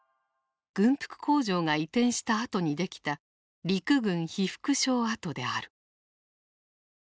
軍服工場が移転したあとに出来た「陸軍被服廠跡」である。